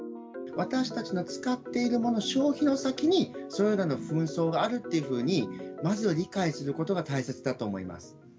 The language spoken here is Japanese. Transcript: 私たちの使っているものの消費の先に、それらの紛争があるっていうふうに、まずは理解することが大切だと思います。